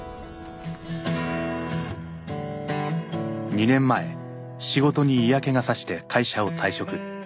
２年前仕事に嫌気が差して会社を退職。